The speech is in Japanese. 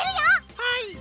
はい！